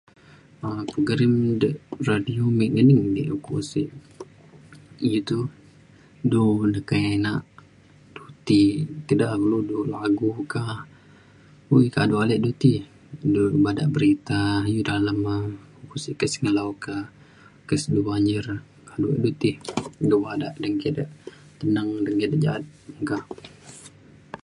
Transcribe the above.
um pegerim da' radio mik ngening dik, ukok sik iu to du nekenak, du ti da kulu, du ti lagu ka ui kaduk alik du ti e du badak berita iu dalem e ukok sik kes ngelau ka, kes du banjir meka. kaduk du ti, du badak da engke da tenang da engke da ja'at meka.